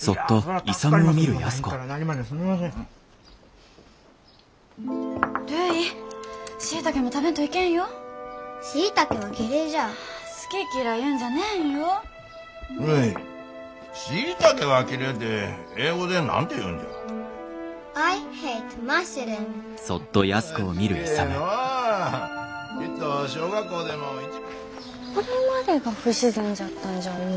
これまでが不自然じゃったんじゃ思うよ。